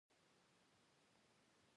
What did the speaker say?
جامی ومینځئ؟ هو، د جمعې په ورځ